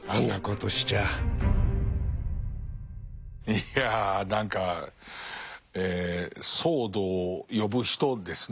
いや何かえ騒動を呼ぶ人ですね。